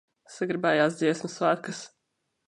Sagribējās Dziesmu svētkus.